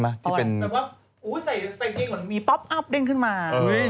หมายถึงว่าใส่สเตงเก้งเหมือนมีป๊อปอั๊บเด้งขึ้นมา